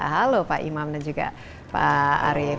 halo pak imam dan juga pak arief